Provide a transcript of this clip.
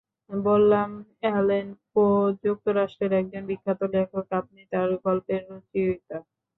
বললাম, Allen Poe যুক্তরাষ্ট্রের একজন বিখ্যাত লেখক, আপনি তাঁর গল্পের রচয়িতা।